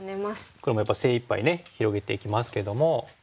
黒もやっぱり精いっぱいね広げていきますけども。